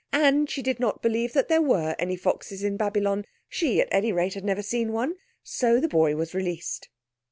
And she did not believe that there were any foxes in Babylon; she, at any rate, had never seen one. So the boy was released.